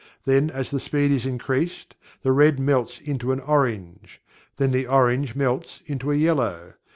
Then as the speed is increased, the red melts into an orange. Then the orange melts into a yellow.